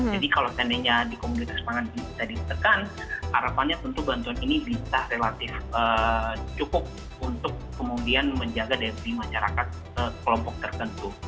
jadi kalau seandainya di komunitas pangan bisa ditekan harapannya tentu bantuan ini bisa relatif cukup untuk kemudian menjaga daya beli masyarakat kelompok tertentu